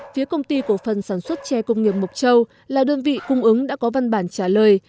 phía công ty cổ phần sản xuất tre công nghiệp mộc châu là đơn vị cung ứng đã có văn bản trả lời